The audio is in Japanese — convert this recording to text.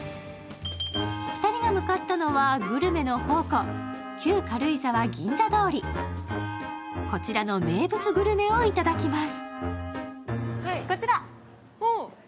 ２人が向かったのは、グルメの宝庫、旧軽井沢銀座通り。こちらの名物グルメをいただきます。